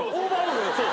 そう。